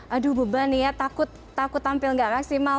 aduh beban ya takut tampil gak maksimal